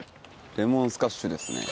レモンスカッシュですね。